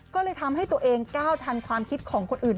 ก็เลยทำให้ตัวเองก้าวทันความคิดของคนอื่น